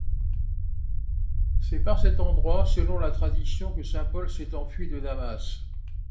C'est par cet endroit, selon la tradition, que saint Paul s'est enfui de Damas.